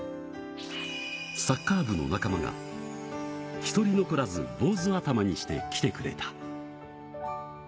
サッカー部の仲間が、１人残らず坊主頭にしてきてくれた。